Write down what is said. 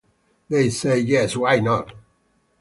They said yes why not?